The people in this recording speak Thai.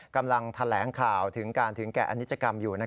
กำลังแถลงข่าวถึงการถึงแก่อนิจกรรมอยู่